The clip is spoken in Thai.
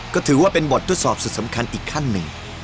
ก็ถือว่าเป็นบททดสอบสุดสำคัญอีกขั้นหนึ่ง